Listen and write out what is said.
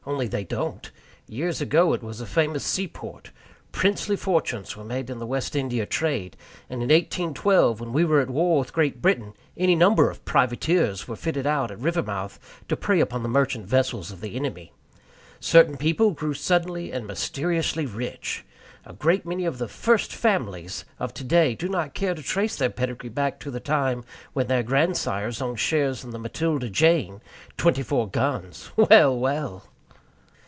Only they don't. Years ago it was a famous seaport. Princely fortunes were made in the West India trade; and in 1812, when we were at war with Great Britain, any number of privateers were fitted out at Rivermouth to prey upon the merchant vessels of the enemy. Certain people grew suddenly and mysteriously rich. A great many of "the first families" of today do not care to trace their pedigree back to the time when their grandsires owned shares in the Matilda Jane, twenty four guns. Well, well!